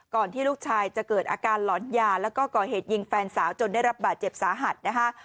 ที่ลูกชายจะเกิดอาการหลอนยาแล้วก็ก่อเหตุยิงแฟนสาวจนได้รับบาดเจ็บสาหัสนะคะ